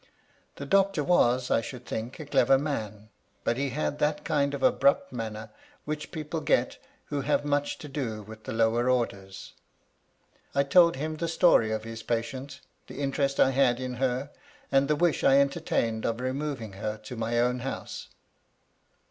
"The doctor was, I should think, a clever man ; but MY LADY LUDLOW. 107 he had that kind of abrupt manner which people get who have much to do with the lower orders. ^I told him the story of his patient, the interest I had in her, and the wish I entertained of removing her to my own house.